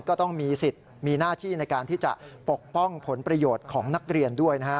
ก็ต้องมีสิทธิ์มีหน้าที่ในการที่จะปกป้องผลประโยชน์ของนักเรียนด้วยนะฮะ